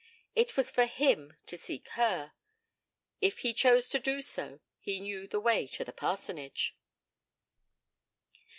It was for him to seek her. If he chose to do so, he knew the way to the parsonage.